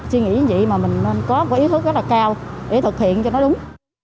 chỉ nghĩ gì mà mình có ý thức rất là cao để thực hiện cho nó đúng